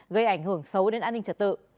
gây ảnh hưởng xấu đến an ninh trật tự